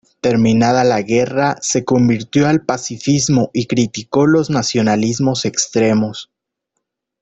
Terminada la guerra, se convirtió al pacifismo y criticó los nacionalismos extremos.